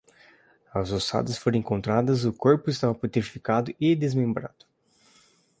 As ossadas foram encontradas, o corpo estava putrificado e desmembrado